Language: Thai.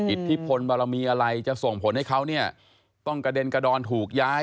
อิทธิพลบารมีอะไรจะส่งผลให้เขาเนี่ยต้องกระเด็นกระดอนถูกย้าย